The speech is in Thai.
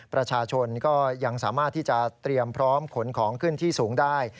ประชาชนก็ยังสามารถที่จะเตรียมพร้อมขนของขึ้นที่สูงได้